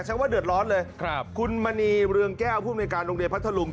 ว่าเดือดร้อนเลยครับคุณมณีเรืองแก้วผู้บริการโรงเรียนพัทธลุง